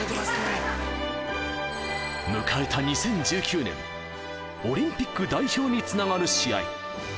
迎えた２０１９年、オリンピック代表につながる試合。